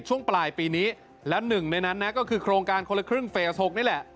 ช่วงปลายปีนี้แล้วหนึ่งในนั้นนะก็คือโครงการคนละครึ่งเฟส๖นี่แหละ